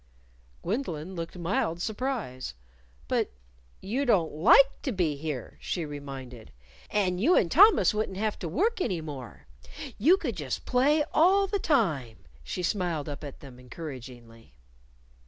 Gwendolyn looked mild surprise. "But you don't like to be here," she reminded. "And you and Thomas wouldn't have to work any more; you could just play all the time." She smiled up at them encouragingly.